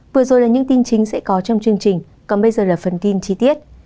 vừa rồi là những tin chính sẽ có trong chương trình còn bây giờ là phần tin chi tiết